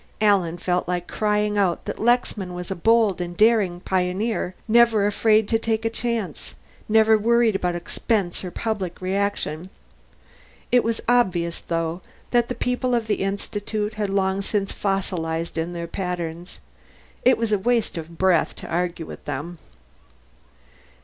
Alan felt like crying out that Lexman was a bold and daring pioneer, never afraid to take a chance, never worried about expense or public reaction. It was obvious, though, that the people of the Institute had long since fossilized in their patterns. It was a waste of breath to argue with them.